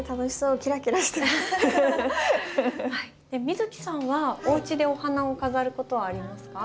美月さんはおうちでお花を飾ることはありますか？